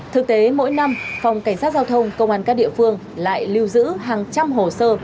thực tế mỗi năm phòng cảnh sát giao thông công an các địa phương lại lưu giữ hàng trăm hồ sơ